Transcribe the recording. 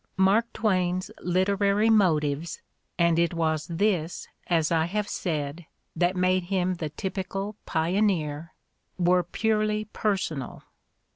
Mark Twain 's literary motives, and it was this, as I have said, that made him the typical pioneer, were purely personal.